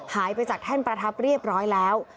หายไปจากแท่นประทับเรียบร้อยแล้ว